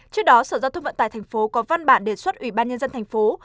trước đó sở giao thông vận tải thành phố có văn bản đề xuất ủy ban nhân dân thành phố